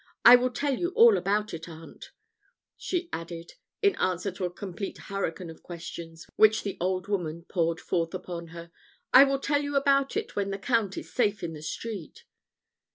I will tell you all about it, aunt," she added, in answer to a complete hurricane of questions, which the old woman poured forth upon her "I will tell you about it when the Count is safe in the street."